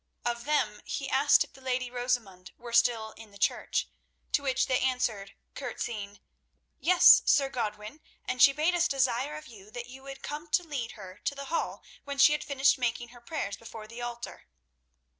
Of them he asked if the Lady Rosamund were still in the church, to which they answered, curtseying: "Yes, Sir Godwin; and she bade us desire of you that you would come to lead her to the Hall when she had finished making her prayers before the altar."